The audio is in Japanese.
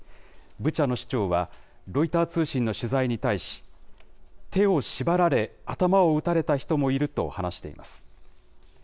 ブチャの市長は、ロイター通信の取材に対し、手を縛られ、頭を撃たれた人もいると話しています。